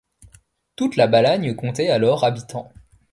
Toute la Balagne comptait alors habitants.